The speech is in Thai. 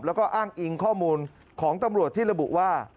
แล้วก็อ้างอิงข้อมูลของตำรวจที่ระบุว่า